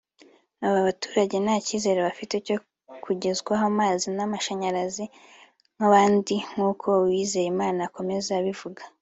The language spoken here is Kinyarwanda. aba baturage nta cyizere bafite cyo kugezwaho amazi n’amashanyarazi nk’abandi nk’uko Uwizeyimana akomeza abivuga